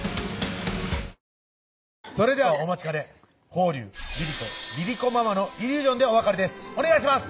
それではお待ちかね峰龍・Ｒｉｒｉｃｏ・Ｒｉｒｉｃｏママのイリュージョンでお別れですお願いします